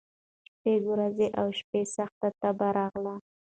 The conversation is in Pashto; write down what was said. شپږ ورځي او شپي سخته تبه راغله